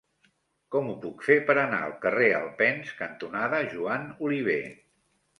Com ho puc fer per anar al carrer Alpens cantonada Joan Oliver?